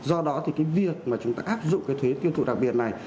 do đó thì việc chúng ta áp dụng thuế tiêu thụ đặc biệt này